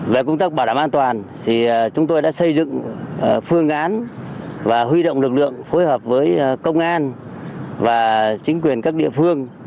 về công tác bảo đảm an toàn chúng tôi đã xây dựng phương án và huy động lực lượng phối hợp với công an và chính quyền các địa phương